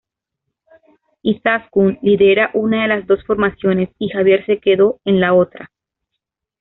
Izaskun lidera una de las dos formaciones y Javier se quedó en la otra.